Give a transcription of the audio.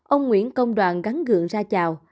ông nguyễn công đoàn gắn gượng ra chào